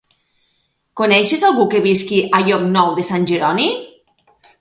Coneixes algú que visqui a Llocnou de Sant Jeroni?